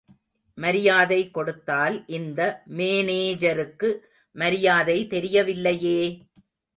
மரியாதை கொடுத்தால், இந்த மேனேஜருக்கு மரியாதை தெரியவில்லையே!